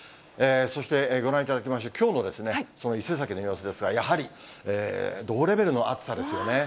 そして、ご覧いただきます、きょうの伊勢崎の様子ですが、やはり同レベルの暑さですよね。